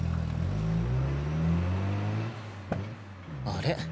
あれ？